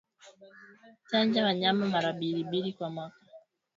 Chanja wanyama mara mbili kwa mwaka